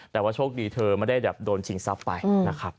แต่ว่าโชคดีเธอไม่ได้แบบโดนชิงทรัพย์ไปนะครับ